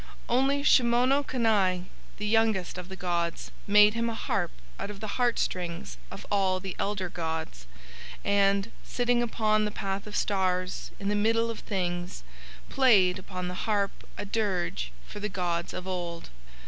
Only Shimono Kani, the youngest of the gods, made him a harp out of the heart strings of all the elder gods, and, sitting upon the Path of Stars in the Middle of Things, played upon the harp a dirge for the gods of Old.